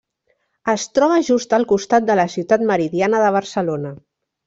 Es troba just al costat de la Ciutat Meridiana de Barcelona.